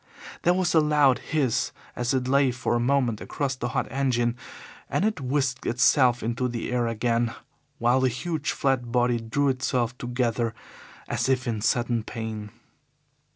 There was a loud hiss as it lay for a moment across the hot engine, and it whisked itself into the air again, while the huge, flat body drew itself together as if in sudden pain.